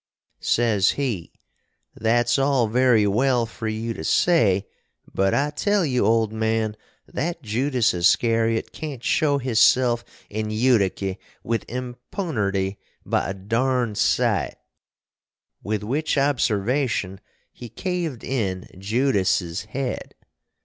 Sez he, "That's all very well fur you to say, but I tell you, old man, that Judas Iscariot can't show hisself in Utiky with impunerty by a darn site!" with which observashun he kaved in Judassis hed.